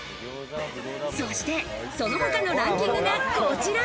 そしてその他のランキングがこちら。